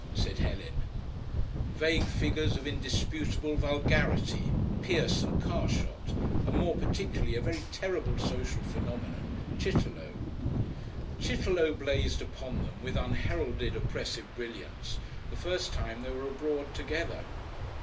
said Helen vague figures of indisputable vulgarity, Pierce and Carshot, and more particularly, a very terrible social phenomenon, Chitterlow. Chitterlow blazed upon them with unheralded oppressive brilliance the first time they were abroad together.